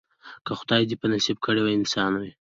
او که خدای دي په نصیب کړی انسان وي